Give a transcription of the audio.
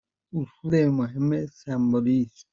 اصول مهم سمبولیسم